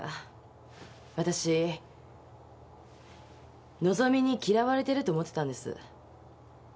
わたし和希に嫌われてると思ってたんです。